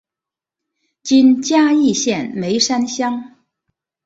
今嘉义县梅山乡。